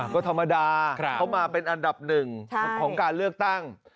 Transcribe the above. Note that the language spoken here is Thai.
ก็ธรรมดาเขามาเป็นอันดับหนึ่งของการเลือกตั้ง